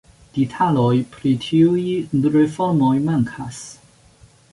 Detaloj pri tiuj reformoj mankas.